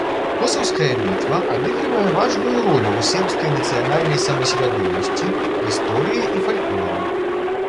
Косаўская бітва адыгрывае важную ролю ў сербскай нацыянальнай самасвядомасці, гісторыі і фальклоры.